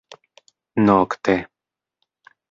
nokte